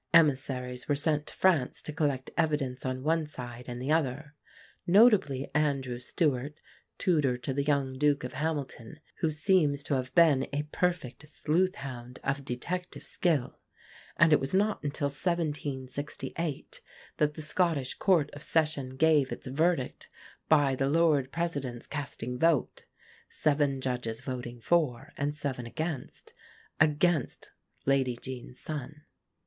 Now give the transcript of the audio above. Emissaries were sent to France to collect evidence on one side and the other; notably Andrew Stewart, tutor to the young Duke of Hamilton, who seems to have been a perfect sleuth hound of detective skill; and it was not until 1768 that the Scottish Court of Session gave its verdict, by the Lord President's casting vote (seven judges voting for and seven against) against Lady Jean's son.